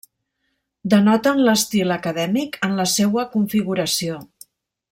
Denoten l'estil acadèmic en la seua configuració.